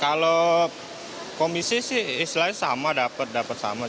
kalau komisi sih istilahnya sama dapat dapat sama